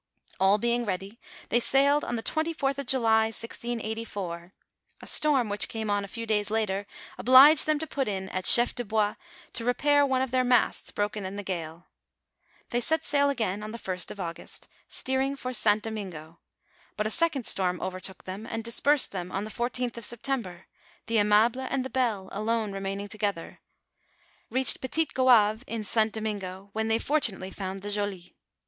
All being ready, they sailed on the 24:th of July, 1684. A storm which came on a few days later, obliged them to put in at Chef de Bois to repair one of their masts broken in the gale. They set sail again on the 1st of August, steering for St. Domingo ; but a second storm overtook them, and dis persed them on the fourteenth of September, the Aimable and the Belle alone remaining together, reached Petit Goave i'i DIS0OVEEIE8 IN THE MISSISSIPPI VALLEY. 189 % in St. Domingo, where they fortunately found the Joly.